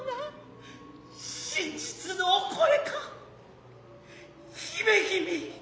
真実のお声か姫君。